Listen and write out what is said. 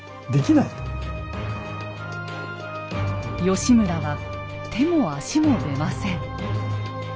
義村は手も足も出ません。